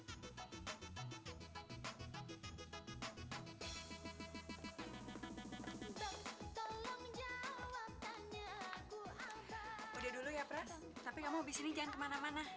tapi kamu habis ini jangan kemana mana